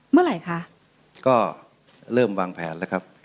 เมื่อไหร่คะก็เริ่มวางแผนแล้วครับ